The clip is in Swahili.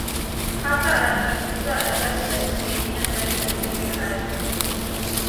Hasa alichunguza athari za kikemia ndani ya chembe hai.